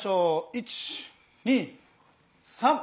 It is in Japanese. １２３。